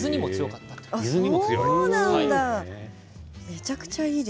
めちゃくちゃいい。